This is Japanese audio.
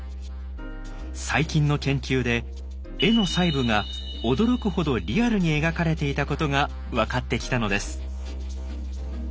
最近の研究で絵の細部が驚くほどリアルに描かれていたことが分かってきたのです。